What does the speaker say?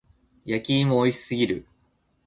焼き芋美味しすぎる。